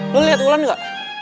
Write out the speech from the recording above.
lu liat bulan juga